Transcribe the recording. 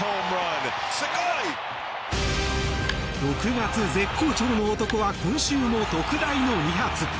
６月絶好調の男は今週も特大の２発。